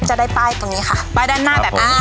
จะได้ป้ายตรงนี้ค่ะป้ายแบบนี้